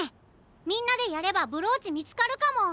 みんなでやればブローチみつかるかも！